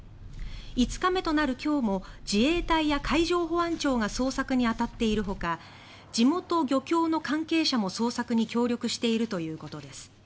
５日目となる今日も自衛隊や海上保安庁が捜索に当たっているほか地元漁協の関係者も捜索に協力しているということです。